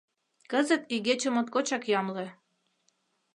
Кызыт игече моткочак ямле.